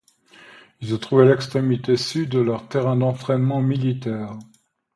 Il se trouvait à l'extrémité sud de leur terrain d'entraînement militaire.